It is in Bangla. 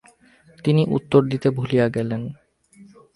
তিনি উত্তর দিতে ভুলিয়া গেলেন।